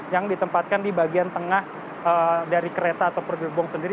yang ditempatkan di bagian tengah dari kereta ataupun gerbong sendiri